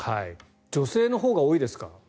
女性のほうが多いですか？